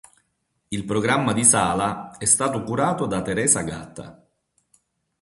Il programma di sala è stato curato da Teresa Gatta.